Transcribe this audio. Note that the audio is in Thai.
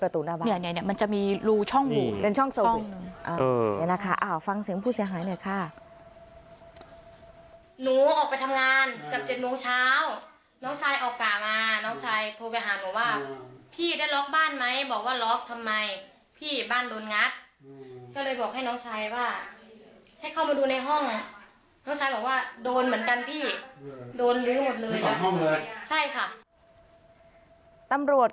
ตำรวจเข้ามาดูพื้นที่เกิดเห็น